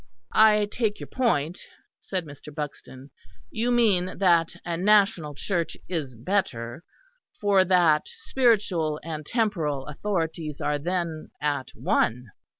"I take your point," said Mr. Buxton. "You mean that a National Church is better, for that spiritual and temporal authorities are then at one."